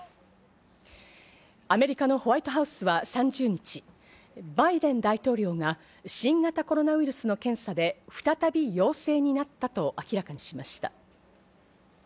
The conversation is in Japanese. アメリカのホワイトハウスは３０日、バイデン大統領が新型コロナウイルスの検査で再び陽性になったと明らかにしました。